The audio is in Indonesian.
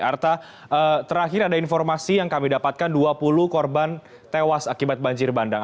arta terakhir ada informasi yang kami dapatkan dua puluh korban tewas akibat banjir bandang